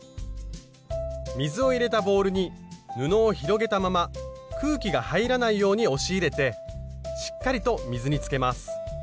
水を入れたボウルに布を広げたまま空気が入らないように押し入れてしっかりと水につけます。